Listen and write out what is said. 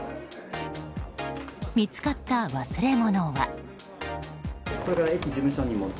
見つかった忘れ物は。